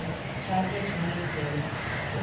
CHAPTER TWENTY THREE.